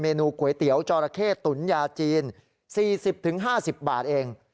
นูก๋วยเตี๋ยวจอราเข้ตุ๋นยาจีน๔๐๕๐บาทเอง